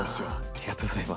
ありがとうございます。